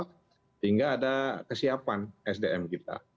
sehingga ada kesiapan sdm kita